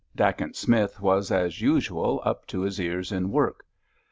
Dacent Smith was, as usual, up to his ears in work.